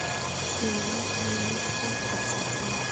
مېلمه ته نیت پاک وساته.